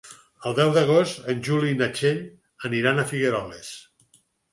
El deu d'agost en Juli i na Txell aniran a Figueroles.